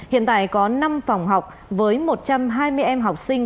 hiện tại có năm phòng học với một trăm hai mươi em học sinh